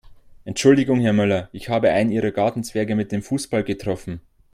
Entschuldigung Herr Müller, ich habe einen Ihrer Gartenzwerge mit dem Fußball getroffen.